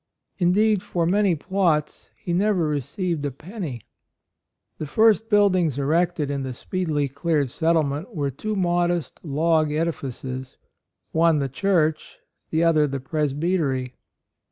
Indeed for many plots he never received a penny. The first buildings erected in the speedily cleared settlement were two modest log edifices, — AND MOTHER. 85 one the church, the other the presbytery.